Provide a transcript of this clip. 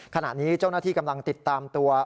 ขณะนี้เจ้าหน้าที่กำลังติดตามตัว